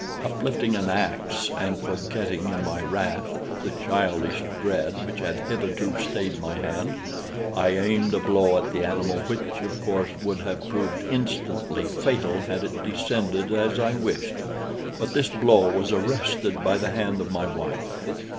Uplifting an axe, and forgetting, in my wrath, the childish dread which had hitherto stayed my hand, I aimed a blow at the animal which, of course, would have proved instantly fatal had it descended as I wished. But this blow was arrested by the hand of my wife.